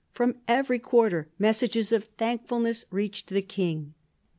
From every quarter messages of thankfulness reached the king.